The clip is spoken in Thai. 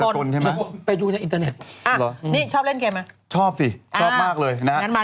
นี่ชอบเล่นเกมไหมชอบสิชอบมากเลยนะครับ